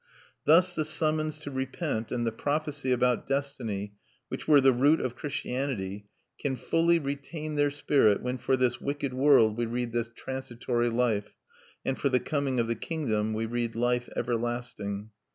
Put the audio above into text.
Thus the summons to repent and the prophecy about destiny which were the root of Christianity, can fully retain their spirit when for "this wicked world" we read "this transitory life" and for "the coming of the Kingdom" we read "life everlasting."